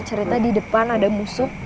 cerita di depan ada musuh